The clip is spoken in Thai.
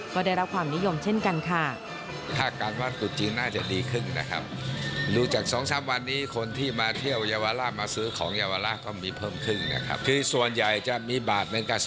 ก็ได้รับความนิยมเช่นกันค่ะ